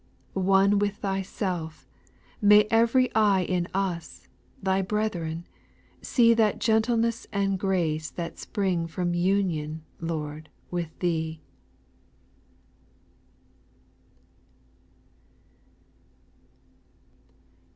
6. One with Thyself, may every eye In us, Thy brethren, see That gentleness and grace that spring From union. Lord with Thee.